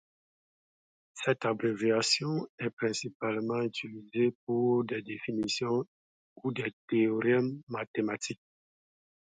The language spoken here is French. Cette abréviation est principalement utilisée pour des définitions ou des théorèmes mathématiques.